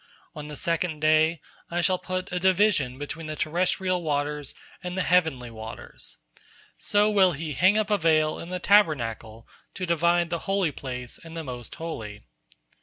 On the second day, I shall put a division between the terrestrial waters and the heavenly waters; so will he hang up a veil in the Tabernacle to divide the Holy Place and the Most Holy.